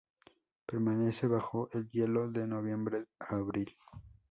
Permanece bajo el hielo de noviembre a abril.